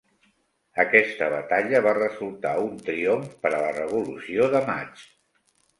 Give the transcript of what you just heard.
Aquesta batalla va resultar un triomf per a la Revolució de Maig.